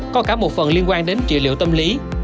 có cả một phần liên quan đến trị liệu tâm lý